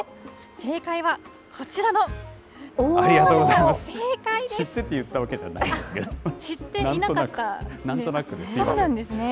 正解はこちらの、高瀬さん正解で知ってて言ったわけじゃない知っていなかったということですね。